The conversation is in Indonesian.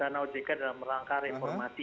karena ojk dalam rangka reformasi